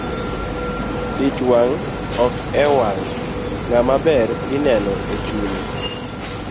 Ich wang' ok ne e wang' ngama ber ineno e chunnye.